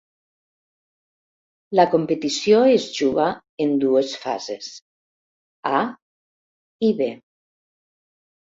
La competició es juga en dues fases, A i B.